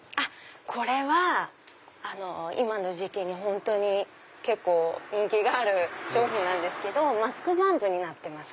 これは今の時期に結構人気がある商品なんですけどマスクバンドになってます。